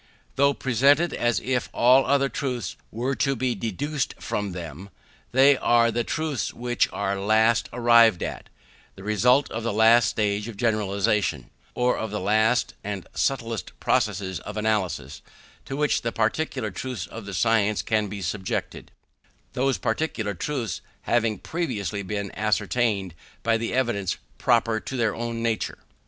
Though presented as if all other truths were to be deduced from them, they are the truths which are last arrived at; the result of the last stage of generalization, or of the last and subtlest process of analysis, to which the particular truths of the science can be subjected; those particular truths having previously been ascertained by the evidence proper to their own nature.